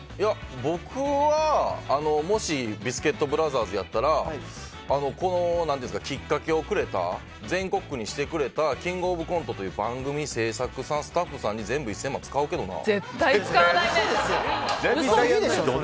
僕は、もしビスケットブラザーズやったらこのきっかけをくれた全国区にしてくれた「キングオブコント」という番組制作さん、スタッフさんに全部１０００万使うけどな？